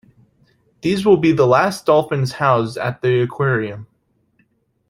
These will be the last dolphins housed at the aquarium.